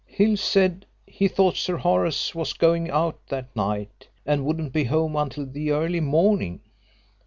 Hill said he thought Sir Horace was going out that night, and wouldn't be home until the early morning.